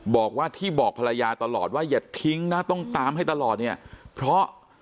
บอกว่าที่บอกภรรยาตลอดว่าอย่าทิ้งนะต้องตามให้ตลอดเนี่ยเพราะ